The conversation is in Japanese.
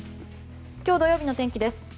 今日土曜日の天気です。